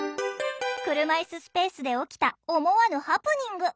車いすスペースで起きた思わぬハプニング。